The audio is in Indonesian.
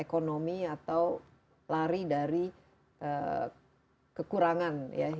ekonomi atau lari dari kekurangan